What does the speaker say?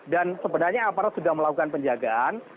dan sebenarnya aparat sudah melakukan penjagaan